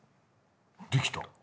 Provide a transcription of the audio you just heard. できた！